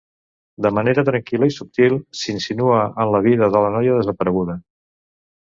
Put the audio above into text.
De manera tranquil·la i subtil, s'insinua en la vida de la noia desapareguda.